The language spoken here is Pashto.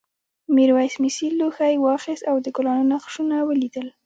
میرويس مسي لوښی واخیست او د ګلانو نقشونه ولیدل.